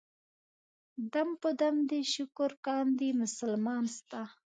دم په دم دې شکر کاندي مسلمان ستا.